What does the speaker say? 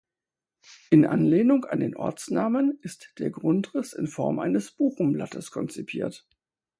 In Anlehnung an den Ortsnamen ist der Grundriss in Form eines Buchenblattes konzipiert.